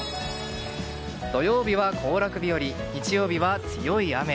土曜は行楽日和、日曜日は強い雨。